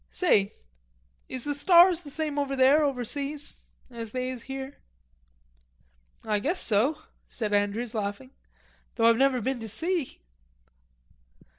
"Say, is the stars the same over there, overseas, as they is here?" "I guess so," said Andrews, laughing. "Though I've never been to see."